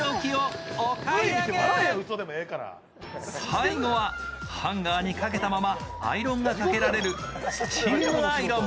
最後はハンガーにかけたままアイロンがかけられるスチームアイロン。